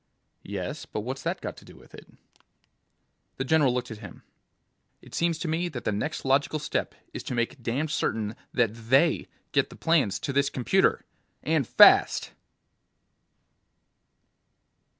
"Yes, but what's that got to do with it?" The general looked at him. "It seems to me that the next logical step is to make damned certain that They get the plans to this computer ... and fast!"